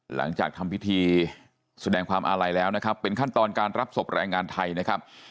หลังจากทำพิธีแสดงความอาลัยแล้วนะครับเป็นขั้นตอนการรับศพแรงงานไทยนะครับ